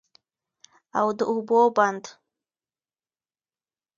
او د اوبو بند